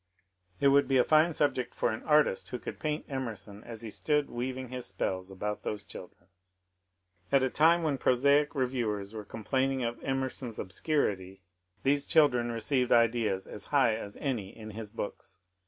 It would be a fine sub ject for an artist who could paint Emerson as he stood weav ing his spells about those children. At a time when prosaic reviewers were complaining of Emerson's obscurity these chil EDWARD EVERETT 285 dren received ideas as high as any in his books.